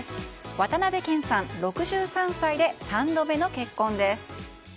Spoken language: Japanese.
渡辺謙さん、６３歳で３度目の結婚です。